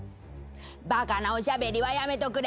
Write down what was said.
バカなおしゃべりはやめとくれ。